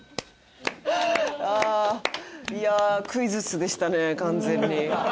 いやあクイズッスでしたね完全に。